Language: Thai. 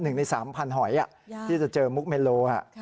๑ใน๓พันหอยที่จะเจอมุกเมโล